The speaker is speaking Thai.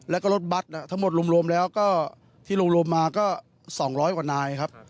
แล้วก็รถบัตรทั้งหมดรวมแล้วก็ที่รวมมาก็๒๐๐กว่านายครับ